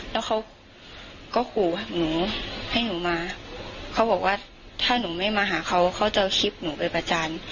แล้วเขาก็ขู่หนูให้หนูมาเขาบอกว่าถ้าหนูไม่มาหาเขาเขาจะเอาคลิปหนูไปประจาน